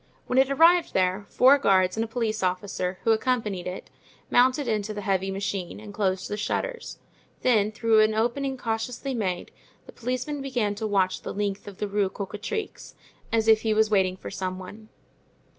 When it arrived there, four guards and a police officer, who accompanied it, mounted into the heavy machine and closed the shutters; then through an opening cautiously made, the policeman began to watch the length of the Rue Cocatrix, as if he was waiting for some one.